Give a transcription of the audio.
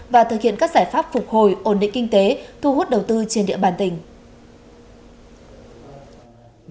và thực hiện các giải pháp phục hồi ổn định kinh tế thu hút đầu tư trên địa bàn tỉnh